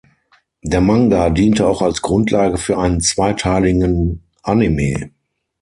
Der Manga diente auch als Grundlage für einen zweiteiligen Anime.